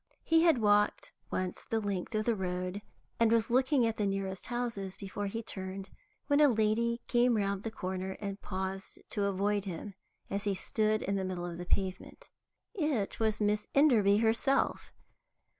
He had walked once the length of the road, and was looking at the nearest houses before he turned, when a lady came round the corner and paused to avoid him, as he stood in the middle of the pavement. It was Miss Enderby herself.